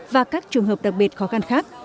và các trường hợp đặc biệt khó khăn khác